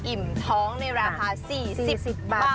อิ่มท้องในจากภาพสิ้นสิบบาท